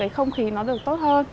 không khí nó được tốt hơn